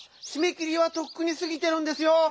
しめきりはとっくにすぎてるんですよ！